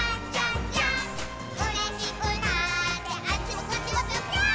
「うれしくなってあっちもこっちもぴょぴょーん」